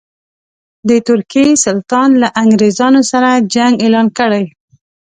د ترکیې سلطان له انګرېزانو سره جنګ اعلان کړی.